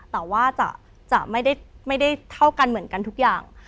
แต่ว่าจะไม่ได้เท่ากันเหมือนกันทุกอย่าง